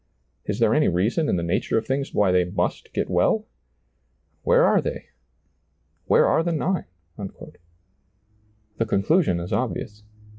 Is there any reason in the nature of things why they must get well ? Where are they ? Where are the nine ? The conclusion is obvious.